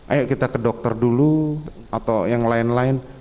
ayo kita ke dokter dulu atau yang lain lain